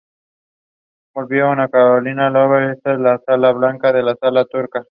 Volviendo a Carolina Lodge está la sala blanca y la sala turca.